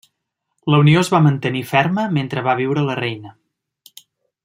La unió es va mantenir ferma mentre va viure la reina.